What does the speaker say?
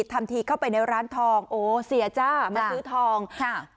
ทำทีเข้าไปในร้านทองโอ้เสียจ้ามาซื้อทองค่ะ